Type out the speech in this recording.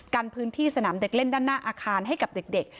กันพื้นที่สนามเด็กเล่นด้านหน้าอาคารให้กับเด็ก